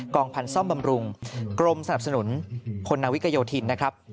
องพันธ์ซ่อมบำรุงกรมสนับสนุนคนนาวิกโยธินนะครับ